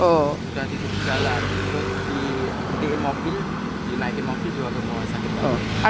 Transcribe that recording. udah di jalan terus di naikin mobil juga ke bawah sakit badan